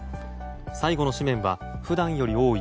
最後の紙面は普段より多い